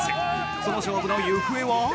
その勝負の行方は？